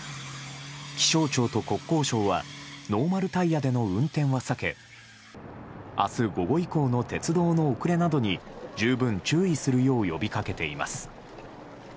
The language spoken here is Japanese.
気象庁と国交省は、ノーマルタイヤでの運転は避け、あす午後以降の鉄道の遅れなどに十分注意するよう呼びかけています。